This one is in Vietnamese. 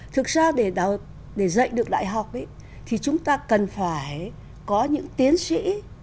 thực ra để dạy được đại học thì chúng ta cần phải có những tiến sĩ